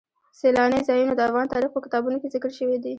سیلانی ځایونه د افغان تاریخ په کتابونو کې ذکر شوی دي.